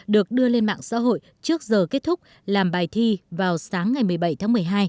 được đưa lên mạng xã hội trước giờ kết thúc làm bài thi vào sáng ngày một mươi bảy tháng một mươi hai